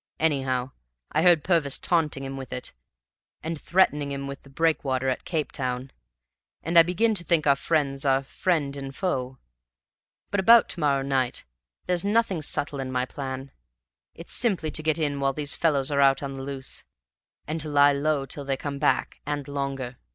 Anyhow, I heard Purvis taunting him with it, and threatening him with the breakwater at Capetown; and I begin to think our friends are friend and foe. But about to morrow night: there's nothing subtle in my plan. It's simply to get in while these fellows are out on the loose, and to lie low till they come back, and longer.